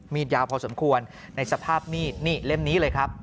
ยาวพอสมควรในสภาพมีดนี่เล่มนี้เลยครับ